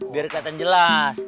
biar kelihatan jelas